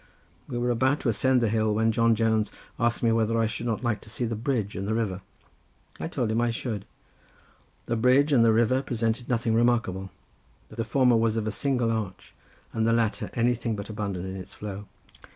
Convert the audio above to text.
We were about to ascend the hill when John Jones asked me whether I should not like to see the bridge and the river. I told him I should. The bridge and the river presented nothing remarkable. The former was of a single arch; and the latter anything but abundant in its flow.